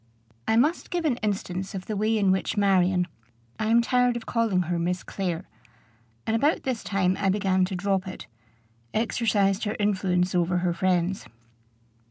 I must give an instance of the way in which Marion I am tired of calling her Miss Clare, and about this time I began to drop it exercised her influence over her friends.